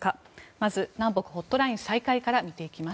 まず南北ホットライン再開から見ていきます。